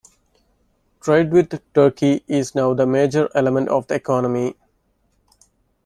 Trade with Turkey is now the major element of the economy.